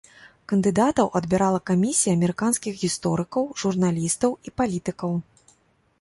Кандыдатаў адбірала камісія амерыканскіх гісторыкаў, журналістаў і палітыкаў.